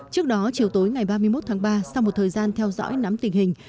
trước đó chiều tối ngày ba mươi một tháng ba sau một thời gian theo dõi nắm tình hình